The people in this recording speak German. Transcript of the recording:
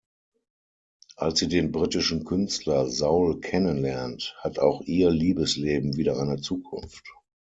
Als sie den britischen Künstler Saul kennenlernt, hat auch ihr Liebesleben wieder eine Zukunft.